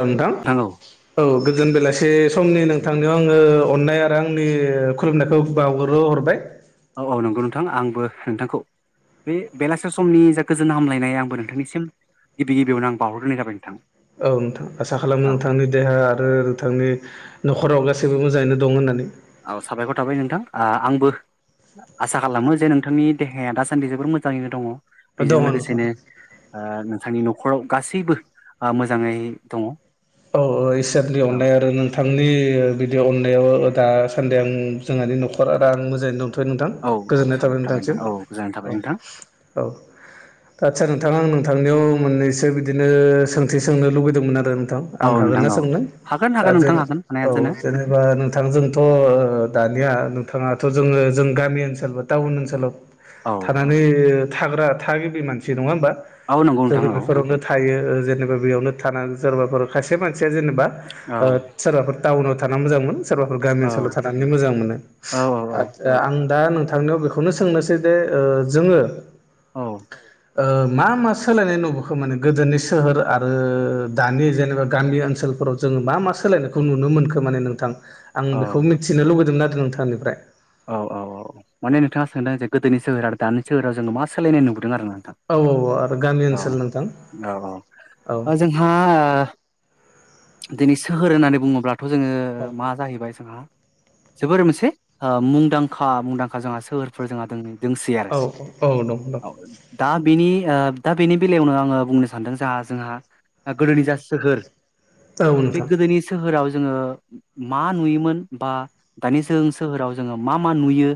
नोंथां ओ गोजोन बेलासि से समनि नोंथांनियाव आङो अननाय आरो आंनि खुलुमनायखौ बावग्रोहरबाय औ औ नंगौ नोंथां आंबो नोंथांखौ बे बेलासे समनि जा गोजोन हामलायनाय आंबो नोंथांनिसिम गिबि गिबियावनो आं बावहरग्रोनाय जाबाय नोंथां औ नोंथां आसा खालामो औ नोंथांनि देहा आरो नोंथांनि न खराव गासैबो मोजाङैनो दं होननानै औ साबायखर थाबाय नोंथां आ आंबो आसा खालामो जे नोंथांनि देहाया दासान्दि जोबोर मोजाङैनो दङ। बेजों दङ नोंथां लोगोसेनो ओ नोंथांनि न' खराव गासैबो मोजाङै दङ औ औ इसोरनि अननाय आरो नोंथांनि बिदि अन नायाव दासान्दि आं जोंहानि न'खरा आरो आं मोजाङै दं। नोंथां औ औ गोजोननाय थाबाय साबायखर नोंथांनिसिम। नोंथां औ गोजोननाय औ थाबाय नोंथां औ आतसा नोंथां आं नोंथांनियाव मोननैसो बिदिनो सोंथि सोंनो लुुबैदोंमोन आरो नोंथां। आं औ नोंथां हागोनना औ सोंनो? हागोन दा हागोन नोंथां हागोन हानाया औ जानो जेनेबा नोंथांजोंथ' दानिया दाथ' जोङो जों गामि ओनसोल बा टाउन ओनसोलाव औ थानानै थाग्रा थागिबि मानसि नङा होनबा? औ नंगौ जों नोंथां औ बेफोरावनो थायो। जेनेबा बेयावनो थानानै सोरबाफोर खायसे मानसिया जेनेबा औ सोरबाफोर टाउनाव थाना मोजां मोनो सोरबाफोर गामि औ ओनसोलाव थानानै मोजां मोनो औ आ आं दा नोंथांनाव बेखौनो सोंनोसै जे जोङो औ मा मा सोलायनाय नुबोखो? माने गोदोनि सोहोर आरो दानि जेनेबा गामि ओन्सोलफोराव जोङो मा मा सोलायनायखौ नुनो मोनखो? माने नोंथां आं औ बेखौ मिथिनो लुगैदों आरोना नोंथांनिफ्राय औ औ औ माने नोंथाङा सोंदों जे गोदोनि सोहोर आरो दानि सोहोराव जोङो मा सोलायनाय नुबोखो सोंदों आरो ना नोंथां औ औ आरो गामि ओनसोल नोंथां औ औ औ जोंहा दिनै सोहोर होननानै बुङोब्लाथ' जोङो औ मा जाहैबाय जोंहा जोबोर मोनसे मुंदांखा मुंदांखा जोंहा सोहोरफोर जोंहा दों। दोंसै आरो औ औ दं दं औ दा बेनि दा बेनि बेलायावनो आङो बुंनो सानदों जा जोंहा गोदोनि जा सोहोर औ बे नोंथां गोदोनि सोहोराव जोङो मा नुयोमोन बा दानि जों सोहोराव जोङो मा मा नुयो?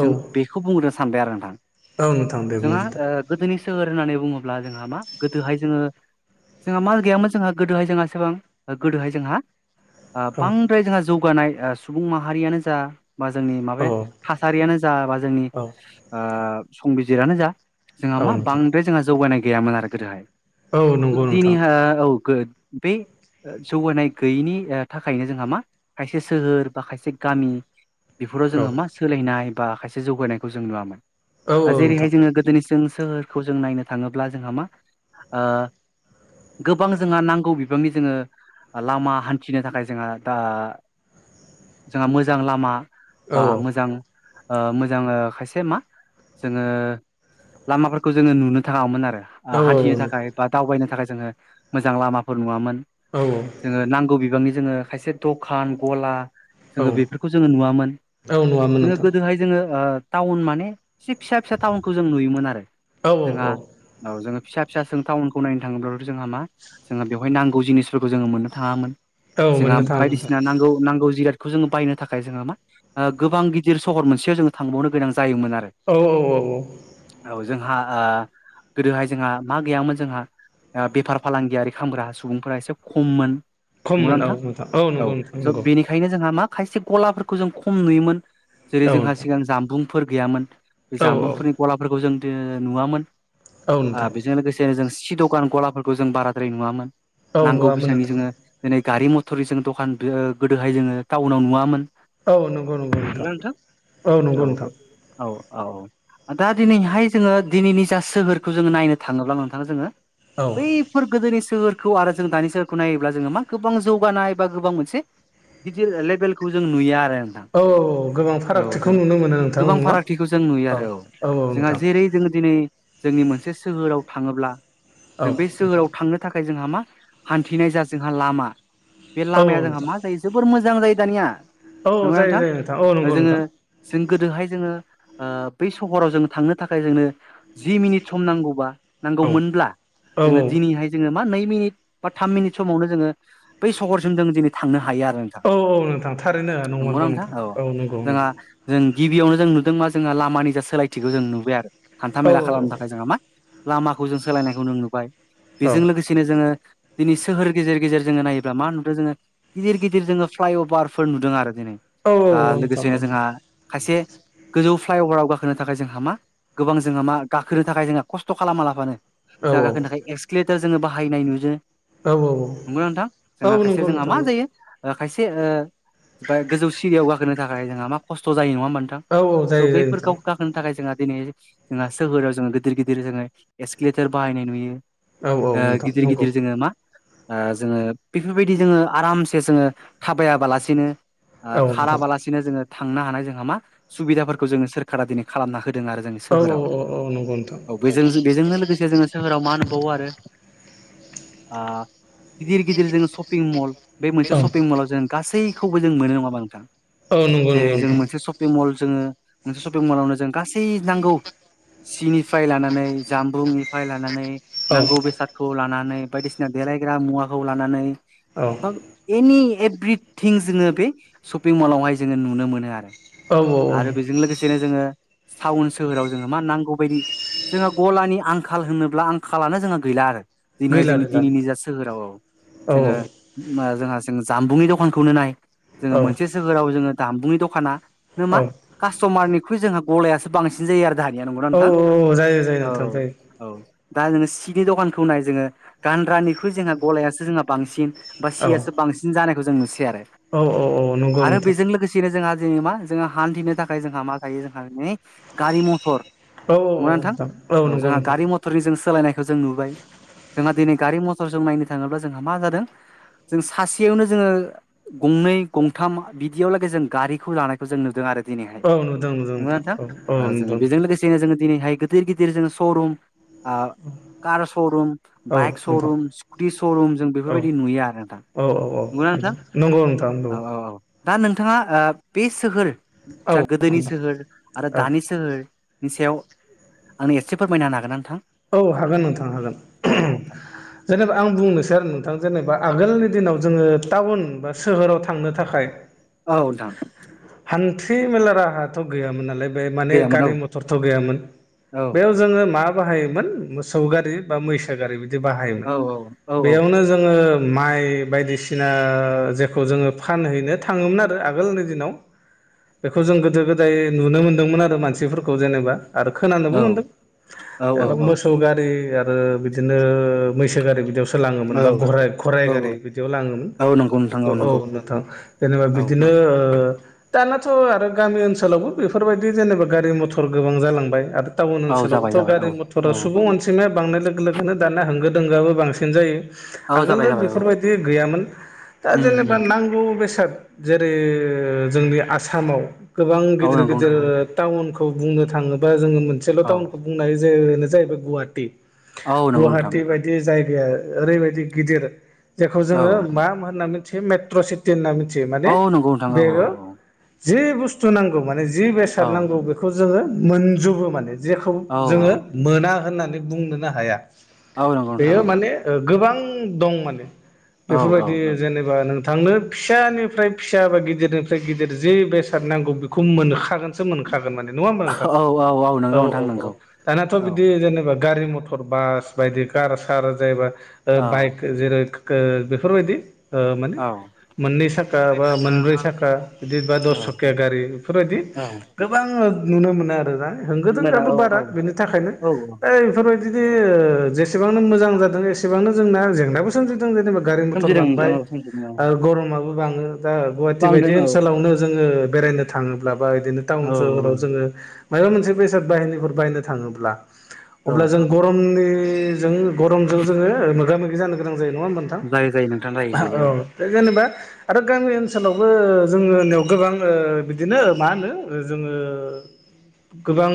औ जों बेखौ बुंनो सानबाय आरो नोंथां औ नोंथां दे जोंहा बुंग्रोदो गोदोनि सोहोर होननानै बुङोब्ला जोंहा मा गोदोहाय जोङो जोंहा मा गैयामोन? जोंहा गोदोहाय जोंहा एसेबां गोदोहाय जोंहा औ बांद्राय जोंहा जौगानाय सुबुं माहारियानो जा बा जोंनि माबाया औ थासारियानो जा बा जोंनि औ संबिजिरानो जा जोंहा औ मा नोंथां बांद्राय जोंहा जौगायनाय गैयामोन । आरो गोदोहाय औ नंगौ नोंथां दिनैहाय औ बे जौगानाय गैयैनि थाखायनो जोंहा मा? खायसे सोहोर बा खायसे गामि बेफोराव औ जोङो मा सोलायनाय बा खायसे जौगानायखौ जों नुवामोन। औ औ जेरैहाय नोंथां जोङो गोदोनि जों सोहोरखौ जों नायनो थाङोब्ला जोंहा मा गोबां जोंहा नांगौ बिबांनि जोङो लामा हान्थिनो थाखाय जोङो दा जोंहा मोजां लामा औ बा मोजां मोजां खायसे मा? जोङो लामाफोरखौ जोङो नुनो थाङामोन आरो औ हान्थिनो थाखाय बा दावबायनो थाखाय जोङो मोजां लामाफोर नुवामोन। औ जोङो नांगौ बिबांनि जोङो खायसे दखान गला औ जोङो बेफोरखौ जोङो नुवामोन। औ नुआ मोन जोङो नोंथां गोदोहाय जोङो टाउन माने एसे फिसा फिसा टाउनखौ जों नुयोमोन आरो औ जोंहा औ औ औ जोङो फिसा फिसा जों टाउनखौ नायनो थाङोब्लाथ' जोंहा मा जोंङो बेवहाय नांगौ जिनिसफोरखौ जोङो मोननो थाङामोन। औ जोंहा मोननो थाङामोन नोंथां बायदिसिना नांगौ नांगौ जिराद जोङो बायनो थाखाय जोङो मा? गोबां गिदिर सहर मोनसेयाव जोङो थांबावनो गोनां जायोमोन आरो औ औ औ जोंहा गोदोहाय जोंहा मा गैयामोन जोंहा? बेफार फालांगियारि खालामग्रा सुबुंफोरा एसे खममोन। नंगौना खममोन औ नोंथां? औ नंगौ नोंथां स' नंगौ बेनिखायनो जोंहा मा? खायसे गलाफोरखौ जों खम नुयोमोन। जेरै औ जोंहा नोंथां सिगां जामबुंफोर गैयामोन। बे औ औ जामबुंफोरनि गलाफोरखौ जों नुवामोन औ नोंथां बेजों लोगोसे जों सिद' दुखान गलाफोरखौ जों बाराद्राय नुवामोन औ नांगौ नुवामोन बेसेननि नोंथां जोङो दि गारि मथरनि जों दखान गोदोहाय जोङो टाउनाव नुवामोन। औ नंगौ नंगौ नोंथां औ नंगौ नोंथां औ औ दा दिनैहाय जोङो दिनैनि जा सोहोरखौ जोङो नायनो थाङोब्ला नोंथाङा जोङो औ बैफोर गोदोनि सोहोर, खौ आरो जों दानि नायोब्ला जोङो मा गोबां जौनाय बा गोबां मोनसे गेदिर लेबेलखौ, जों नुयो आर रो नोंथां औ गोबां औ फारागथिखौ जों नुनो मोनो नोंथां गोबां नोंनाव फारागथिखौ जों नुयो आरो औ जोंहा जेरै जोङो दिनै जोंनि मोनसे सोहोराव थाङोब्ला औ जों बे नोंथां सोहोराव थांनो थाखाय, जोंहा मा हान्थिनाय जा जोंहा लामा बे औ लामाया जोंहा नोंथां मा जायो जोबोर मोज जां जायो दानिया औ नंगौ ना जायो नोंथां जायो औ नंगौ जोङो, नोंथां जों गोदोहाय जोङो ओ बै सहराव जों थांनो थाखाय जोंनो जि मिनिट सम नांगौबा, औ नांगौमोनब्ला औ जोङो दिनैहाय जोङो, बा नै मिनिट बा थाम मिनिट समावनो जोङो बै सहरसिम जोङो दिनै थांनो हायो आरो नोंथां औ औ नोंथां थारैनो, नंगौना नंमारगौ नोंथां औ नंगौ जोंहा नंगौ जों, गिबियावनो जों नुदों मा जोंहा लामानि जा सोलायथिखौ जों नुबाय आरो हान्था औ मेला खालामनो थाखाय जोंहा मा, लामाखौ जों सोलायनायखौ जों नुबाय औ बेजों लोगोसेनो जोङो, दिनै सोहोर गेजेर गेजेर जोङो नायोब्ला मा नुदों जोङो गिदिर गिदिर जोङो फ्लाइअभारफोर नुदों आरो बिदिनो औ औ ओ नोंथां लोगोसेनो औ जोंहा खायसे गोजौ फ्लाइअभाराव गाखोनो थाखाय जोंहा मा गोबां जोंहा मा गाखोनो थाखाय जोंहा खस्थ' खालामालाबानो, औ जागाखो थाखाय एक्सकलेटार जोङो बाहायनाय नुयो। औ औ नंगौ ना नोंथां औ जोंहा खायसे नंगौ जोंहा नोंथां मा जायो। ओ खायसे ओ बा गोजौ सिरियाव गाखोनो थाखाय जोंहा मा खस्थ' जायो नङा होमबा, नोंथां औ औ स' जायो जायो बैफोरखौ नोंथां गाखोनो थाखाय जोंहा दिनै, जोंहा सोहोराव जोङो गिदिर गिदिर जोङो एक्सकिलेटर बाहायनाय नुयो। औ औ ओ नोंथां गिदिर नंगौ गिदिर जोङो मा, ओ जोङो बेफोरबायदि जोङो आरामसे जोङो थाबायाबालासिनो, ओ औ नोंथां खाराबालासिनो जोङो थांनो हानाय जोंहा मा सुबिदाफोरखौ जोङो सोरखारा दिनै खालामना हो दों आरो जोंनि औ सोहोराव। औ औ नंगौ नोंथां औ बेजों बेजोंनो लोगोसे जोङो सोहोराव मा नुबावो आरो ओं गिदिर गिदिर जोङो शपिं मल, बे मोनसे औ शपिं मलाव जों गासै खौबो जों मोनो नङा नोंथां औ नंगौ जेरै नंगौ जों नोंथां मोनसे शपिं मल जोङो मोनसे शपिं मल आवनो जों गासै नांगौ। सिनिफ्राय लानानै जामबुंनिफ्राय लानानै, औ नांगौ बेसादखौ लानानै बायदिसिना देलायग्रा मुवाखौ लानानै, औ बा एनि एभ्रिथिं जोङो बे शपिं मलावहाय जोङो नुनो मोनो आरो औ औ आरो बेजों लोगोसेनो जोङो टाउन सोहोराव जोङो मा नांगौ बायदि जोंहा गलानि आंखाल होनोब्ला आंखालानो जोंहा गैला आरो दिनैहाय गैला जोंनि गैला दिनैनि जा सोहोराव औ औ जोङो ओम जोंहा जों जाम्बुंनि दखान खौनो नाय जोङो औ मोनसे सोहोराव जोङो जामबुंनि दखानानो मा औ कास्ट'मारनिख्रु जोंहा गलायासो बांसिन जायो आरो दाहानिया नंगौना औ नोंथां जायो जायो नोंथां जायो औ औ दा जोङो सिनि दखानखौ नाय जोङो गानग्रा निख्रुइ जोंहा गलायासो जोंहा बांसिन, बा औ सियासो बांसिन जानायखौ जों नुसै आरो औ औ नंगौ आरो नोंथां बेजों लोगोसेनो जोंहा जोङो मा जोंहा हान्थिनो थाखाय जोंहा मा थायो जोंहा नै गारि मथर औ नङा नोंथां नोंथां औ नंगौ जोंहा नोंथां गारि मथरनि जों सोलायनायखौ जों नुबाय, जोंहा दिनै गारि मथरजों नायनो थाङोब्ला जोंहा मा जादों जों सासेयावनो जोङो, गंनै गंथाम बिदियाव लागै जों गारिखौ लानायखौ जों नुदों आरो। दिनैहाय औ नुदों नुदों नंगौ ना नोंथां औ औ ओ जोङो नुदों बेजों नोंथां लोगोसेयैनो जोङो, दिनैहाय गिदिर गिदिर जोङो शरुम ओ, कार शरुम, औ बाइक नोंथां शरुम, स्कुटि शरुम जों औ बेफोरबायदि नुयो आरो नोंथां। औ औ औ नंगौना नोंथां नंगौ नोंथां नंगौ। औ औ औ दा नोंथाङा बे सोहोर औ जा गोदोनि नोंथां सोहोर आरो औ दानि सोहोर। बिनि सायाव आंनो एसे फोरमायना होनो हागोना नोंथां? औ हागोन नोंथां हागोन औ नोंथां । जेनेबा आं बुंनोसै आरो नोंथां जेनेबा आगोलनि दिनाव जोङो टाउन बा सोहोराव थांनो थाखाय औ नोंथां हान माने गैयामोन औ गारि-मटरथ' गैयामोन औ बेयाव जोङो मा बाहायो मोन मोसौ गारि बा मैसो गारि बिदि बाहायोमोन। औ औ बेयाव माइ बायदिसिना बेखौ जों गोदो-गोदाय नुनो मोनदोंमोन आरो मानसिफोरखौ जेनेबा आरो खोनानोबो औ मोनदों ओ मोसौ गारि आ रो बिदिनो मैसो गारि बिदियावसो लाङोमोन बा ग-घराइ औ गारि बिदियाव लाङोमोन। औ नंगौ नोंथां बेखौ औ नंगौ नोंथां जेनेबा औ बिदिनो ओ दानाथ' आरो गामि ओनसोलावबो बेफोरबायदि जेनेबा गारि-मटर गोबां जालांबाय आरो टाउन औ जाबाय ओनसोलावथ' जाबाय औ गारि-म औ सुबुं अनजिमाया बांनाय लोगो लोगोनो दानिया होंगो-दोंगोआबो बांसिन जायो। औ आगोल जाबाय जाबाय औ बेफोरबायदि गैयामोन दा उम जेनेबा उम नांगौ बेसाद जेरै जोंनि आसामाव गोबां औ गिदिर नंगौ गिदिर नोंथां टाउन खौ बुंनो थाङोबा जोङो मोनसेल' औ टाउनखौ बुंनाय जनो जाहैबाय गुवाहाटी औ नंगौ नोंथां गुवाहाटी बायदि जायगाया ओरैबायदि गिदिर जेखौ औ जोङो मा होनना मिथियो मेट्रसिटि होनना मिथियो माने औ नंगौ नोंथां औ औ बेयो जि बुस्थु नांगौ माने जि बेसाद औ नांगौ बेखौ जोङो मोनजोबो माने। जेखौ औ जोङो मोना होननानै बुंनोनो हाया। औ नंगौ नोंथां बेयो औ माने गोबां दं माने औ औ बेफोरबायदि जेनेबा नों थांनो फिसानिफ्राय फिसा बा गिदिरनिफ्राय गिदिर जे बेसाद नांगौ बेखौ मोनखागोनसो मोनखा थारगोन माने, नङा होमबा नोंथां? औ औ औ नंगौ नोंथां औ नंगौ औ। दाथ' औ बिदि जेनेबा गारि- मटर, बास बायदि कार-सार जाय बा ओ बाइक जेरै ओ बेफोरबायदि ओ माने औ मोननै साखा बा मोनब्रै साखा बिदिबा दस सखिया गारि बेफोरबायदि औ औ गोबां नुनो मोनो आरो दा मोना होंगो-दोंगायाबो औ बारा औ बेनि थाखायनो औ दा बेफोरबाय - दि जेसेबांनो मोजां जादों एसेबांनो जोंना जेंनाबो सोमजिदों जेनेबा गारि-मटर सोमजिदों नोंथां बांबाय औ सोमजिदों औ ओ गरमाबो बाङो दा गुहाटि बायदि बांदों औ ओनसोलावनो जोङो बेरायनो थाङोब्ला बिदिनो औ औ टाउन-सहराव जोङो माबा मोनसे बेसाद बाहैनोफोर बायनो थाङोब्ला औ अब्ला जों गरमनिजों गरमजों जोङो मोगा-मोगि जानो गोनां जायो। नङा होनबा नोंथां? जायो जायो नोंथां जायो जायो औ जेनेबा आरो गामि ओनसोलावबो जोंनियाव गोबां ओ बिदिनो मा होनो ओ जोङो गोबां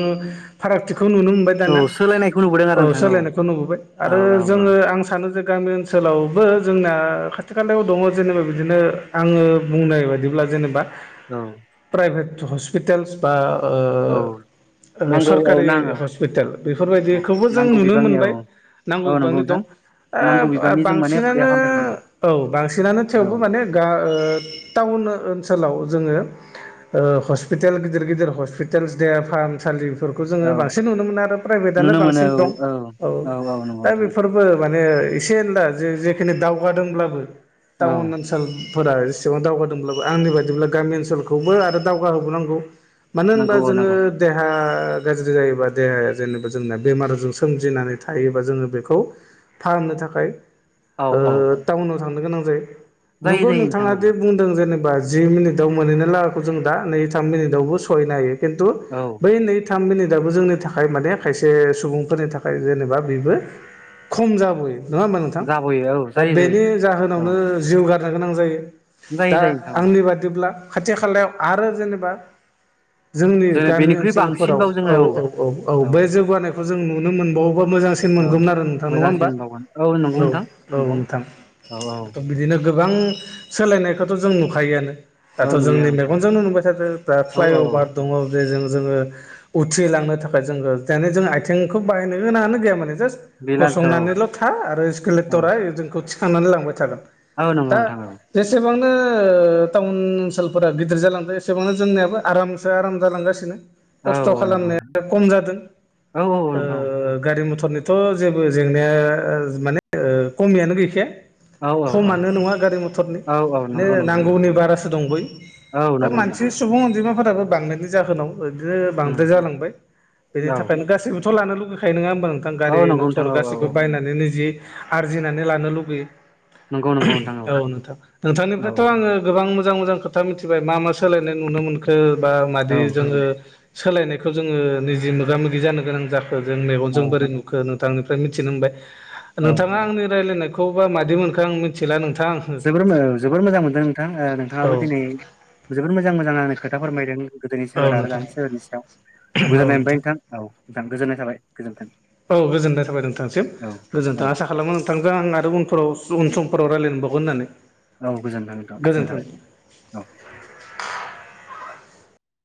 फारागथि खौ नुनो मोनबाय औ दानिया। सोलायनायखौ नुबोदों आरो औ नोंथां सोलायनायखौ नुबोबाय औ आरो औ जोङो आं सानोे जे गामि ओनसोलावबो जोंना खाथि-खालायाव दङ जेनेबा बिदिनो आङो बुंनाय बायदिब्ला जेनेबा औ प्राइभेट हस्पिटाल्स बा ओ औ ओ नांगौ औ नां सरकारि औ हस्पिटाल औ बेफोरबायदिखौबो जों नांगौ नुनो बिबांनि औ मोनबाय नांगौ औ नंगौ बिबांनि दं। ओ नोंथां नांगौ बिबांनि जों माने बा-बांसि देहा फाहामथायखौ मोनो न औ ओनसोलाव जोङो ओ हस्पिटाल गिदिर-गिदिर हस्पिटालस देहा फाहामसालि फोरखौ जोङो औ बांसिन नुनो मोनो आरो प्राइभेटानो नुनो मोनो बांसिन दं। औ औ औ नंगौ नोंथां माने एसे दा जे जेखिनि दावगादोंब्लाबो औ टाउन ओनसोल फोर एसेबां दावगादोंब्लाबो आंनि बादिब्ला गामि ओनसोलखौबो आरो दावगाहोबोनांगौ। मानो होनबा नांगौ औ जोङो नांगौ देहा गाज्रि जायोबा देहाया जेनेबा जोंना बेमारजों सोमजिनानै थायोबा जोङो बेखौ फाहामनो थाखाय औ ओ औ टाउनाव थांनो गोनां जायो जायो ।नंगौ जायो नोंथां नोंथाङा औ दि बुंदों जेने बा जि मिनिटाव मोनहैनो लागाखौ जों दा नै थाम मिनिटावबो सौहैनो हायो खिनथु औ बै नै थाम मिनिटाबो जों- थाखाय माने खायसे सुबुंफोरनि थाखाय जेनेबा बेबो खम जाबोयो। नङा होमबा नोंथां? जाबोयो औ दा जायो जायो बेनि औ जाहोनावनो जिउ गा गोनां जायो जायो दा जायो नोंथां औ आंनि बादिब्ला खाथि-खालायाव आरो जेनेबा जोंनि जोङो गामि बेनिख्रुइ ओनसोलफोराव बांसिनबाव औ जोङो औ औ औ बे जौगानायखौ जों नुनो मोनबावो। बहद मोजांसिन औ मोनगौमोन आरो नोंथां नङा होमबा? मोजांसिन बावगोन नंगौ औ नोंथां औ नंगौ नोंथां। औ औ बिदिनो गोबां सोलायनायखौथ' जों नुखायोआनो। दाथ' औ नुयो जोंनि आंथ' मेगनजोंनो नुबाय थादों औ औ फ्लाइअभार दङ जेजों जोङो उथ्रिलांनो थाखाय जोङो जेने जों आथिंखौ बाहायनो गोनाङानो गैया माने बे लालथ' औ गसंनानैल' था आरो स्कुलेटरा जोंखौ थिखांनानै लांबाय थागोन। औ नंगौ दा नोंथां औ जेसेबां- नो टाउन ओनसोलफोरा गिदिर जालांबाय एसेबां जोंनियाबो आरामसो आराम जालांगासिनो। औ खस्थ' औ नंगौ नोंथां। खालामनाया खम जादों औ औ नोंथां ओ गारि मथर फोरनिथ' जेबो जेंनाया माने खमियानो गैखाया। औ औ खमानो नङा गारि मथरनि औ औ माने नंगौ नंगौ नांगौनि बारासो दं बै। औ दा नंगौ नोंथां मानसि सुबुं अनजिमाफोर- राबो बांनायनि जाहोनाव बिदिनो उम बांद्राय जालांबाय बेनि औ थाखायनो गासैबोथ' लानो लुुबैखायो नङा ओ- मबा नोंथां औ नंगौ नोंथां गारि-मथर औ औ गासिबो औ बायनानै निजि आरजिनानै लानो लुुबैयो। नंगौ नंगौ नोंथां औ नोंथां औ नोंथांनिफ्रायथ' आङो गोबां मोजां मोजां खोथा मिथि- बाय मा मा सोलायनाय नुनो मोनखो बा मादि औ जोङो सोलायनायखौ जोङो निजि मोगा-मोगि जानो गोनां जाखो जों मेगनजों औ औ बोरै नुखो नोंथांनिफ्राय मिथिनो मोनबाय। औ नोंथाङा आंनि रायजलायनायखौ बा मादि मोनखो? आं मिथिला नोंथां जोबोर औ जोबोर मोजां मोनदों नोंथां औ नोंथाङाबो दिनै जोबोर मोजां मोजां आंनो खोथा फोरमायदों। गोदोनि औ सोहोर आरो नोंथां दानि सोहोरनि सायाव गोजोननाय मोनबाय नोंथां औ नोंथां गोजोननाय थाबाय गोजोन्थों। औ गोजोननाय थाबाय नोंथांसिम औ औ गोजोनथों आसा खालामो नोंथांखौ आं आरो उनफोराव उन सम सम फोराव रायलायबावगोन होननानै। औ गोजोनथों नोंथां गोजोनथाबाय गोजोन्थों औ।